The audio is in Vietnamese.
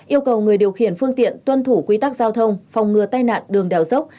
yêu cầu người điều khiển phương tiện tuân thủ quy tắc giao thông phòng ngừa tai nạn đường đèo dốc